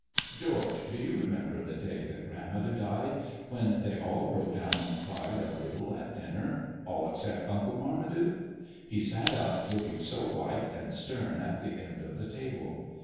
"George, do you remember the day that grandmother died, when they all broke down and cried a little at dinner, all except Uncle Marmaduke? He sat up looking so white and stern at the end of the table.